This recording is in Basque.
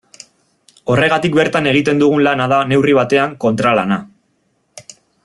Horregatik bertan egiten dugun lana da, neurri batean, kontralana.